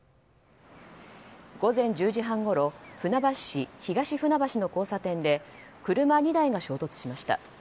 午前１０時半ごろ船橋市東船橋の交差点で車２台が衝突しました。